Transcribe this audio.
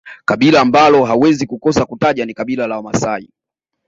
kabila ambalo hauwezi kukosa kutaja ni kabila la Wamasai